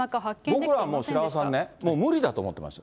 僕らもう白輪さんね、もう無理だと思ってました。